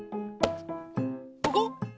ここ？